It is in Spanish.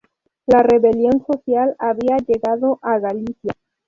La rebelión social había llegado a Galicia.